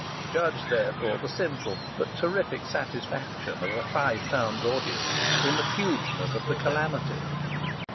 Judge, therefore, the simple but terrific satisfaction of a Five Towns audience in the hugeness of the calamity.